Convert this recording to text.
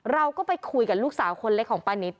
เราก็ไปคุยกับลูกสาวคนเล็กของป้านิต